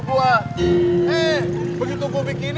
kopi lu beracun